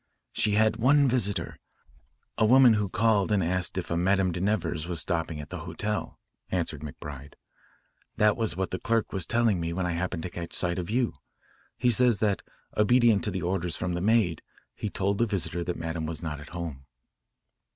"She had one visitor, a woman who called and asked if a Madame de Nevers was stopping at the=20hotel," answered McBride. "That was what the clerk was telling me when I happened to catch sight of you. He says that, obedient to the orders from the maid, he told the visitor that Madame was not at home."